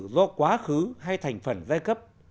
do quá khứ hay thành phần giai cấp